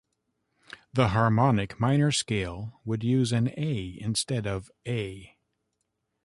The harmonic minor scale would use an A instead of A.